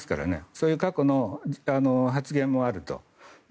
そういう過去の発言もあると。